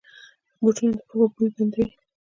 بوټونه د پښو بوی بندوي.